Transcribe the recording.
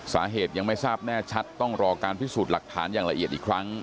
สาเหตุยังไม่ทราบแน่ชัดต้องรอการพิสูจน์หลักฐานอย่างละเอียดอีกครั้ง